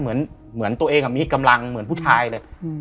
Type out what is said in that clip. เหมือนเหมือนตัวเองอะมีพิธีกำลังเหมือนผู้ชายเลยอืม